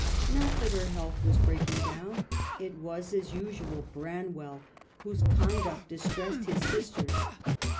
Not that her health was breaking down ; it was, as usual, Branwell whose conduct dis tressed his sisters.